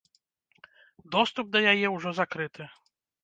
Доступ да яе ўжо закрыты.